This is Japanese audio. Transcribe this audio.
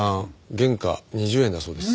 原価２０円だそうです。